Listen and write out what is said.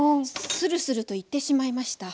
スルスルといってしまいました。